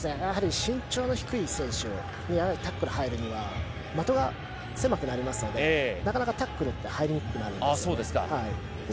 身長の低い選手にタックルに入るには的が狭くなりますのでなかなかタックルって入りにくくなるんです。